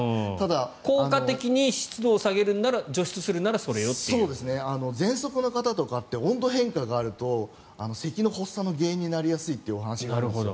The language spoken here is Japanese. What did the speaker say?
効果的に湿度を下げるなら除湿をするならぜんそくの方とかって温度変化があるとせきの発作の原因になりやすいというお話があるんですよ。